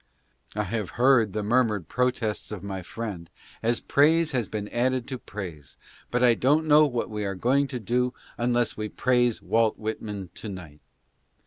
I have heard the murmured protests of my friend as praise has been added to praise, but I don't know what we are going to do unless we praise Walt Whitman to night.